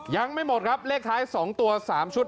ยังไม่หมดครับเลขท้าย๒ตัว๓ชุด